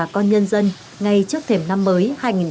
còn nhân dân ngay trước thềm năm mới hai nghìn hai mươi hai